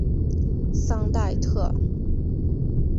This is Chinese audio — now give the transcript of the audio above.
桑代特。